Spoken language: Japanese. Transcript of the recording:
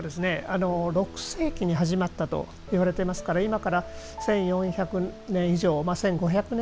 ６世紀に始まったと言われていますから今から１４００年以上１５００年